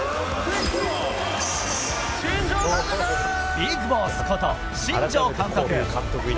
ビッグボスこと新庄監督。